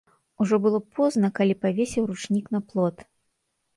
Ужо было позна, калі павесіў ручнік на плот.